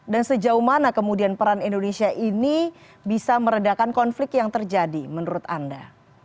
sejauh mana kemudian peran indonesia ini bisa meredakan konflik yang terjadi menurut anda